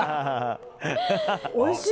おいしい。